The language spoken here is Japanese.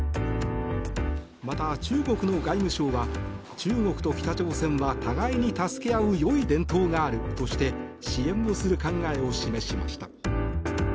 また、中国の外務省は中国と北朝鮮は互いに助け合うよい伝統があるとして支援をする考えを示しました。